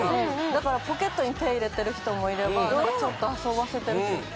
だからポケットに手を入れてる人もいればちょっと遊ばせてる。